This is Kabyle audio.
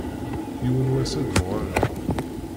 Yiwen n wass ad d-uɣaleɣ.